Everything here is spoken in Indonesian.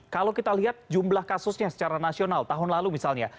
kalau kita lihat jumlah kasusnya secara nasional tahun lalu misalnya